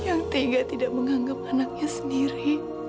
yang tega tidak menganggap anaknya sendiri